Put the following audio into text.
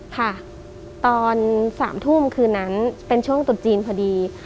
ค่ะตอน๓ทุ่มคืนนั้นเป็นช่วงตุดจีนพอดี